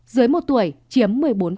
dưới một tuổi chiếm một mươi bốn